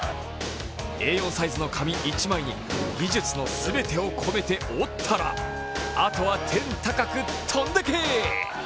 Ａ４サイズの紙１枚に技術の全てを込めて折ったら、あとは、天高く飛んでけー！